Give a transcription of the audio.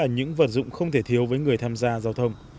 những vật dụng không thể thiếu với người tham gia giao thông